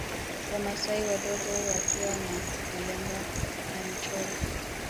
Wamasai wadogo wakiwa na vilemba na michoro